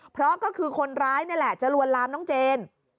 เพราะก็คือคนร้ายนี่แหละจะลวนลามน้องเจน